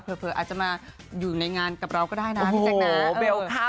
อาจจะมาอยู่ในงานกับเราก็ได้นะพี่แจ๊คนะ